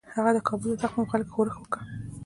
هغه د کابل د تخت په مقابل کې ښورښ وکړ.